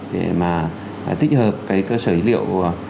để tích hợp cơ sở dữ liệu